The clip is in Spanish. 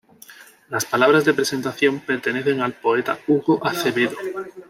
Las palabras de presentación, pertenecen al poeta Hugo Acevedo.